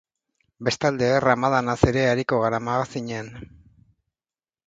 Bestalde, ramadanaz ere ariko gara magazinean.